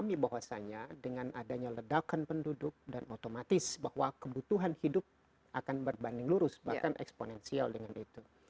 saya memahami bahwasannya dengan adanya ledakan penduduk dan otomatis bahwa kebutuhan hidup akan berbanding lurus bahkan eksponensial dengan itu